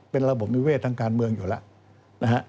เป็นระบบนิเวศทางการเมืองอยู่แล้วนะฮะ